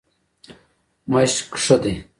مشق ښه دی.